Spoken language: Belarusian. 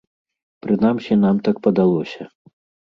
Прынамсі, нам так падалося.